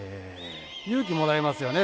勇気もらいますよね